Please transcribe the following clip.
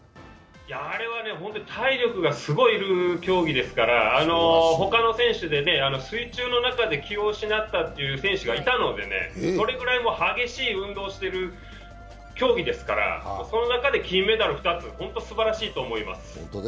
あれは本当に体力がすごく要る競技ですから他の選手で水中の中で気を失ったという選手がいたので、それくらい激しい運動をしている競技ですから、その中で金メダル２つ、本当にすばらしいと思います。